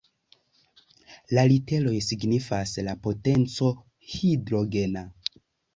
La literoj signifas la "potenco Hidrogena".